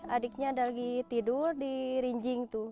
adiknya ada lagi tidur di rinjing tuh